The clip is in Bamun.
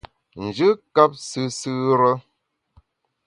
Njù kap sùsù re.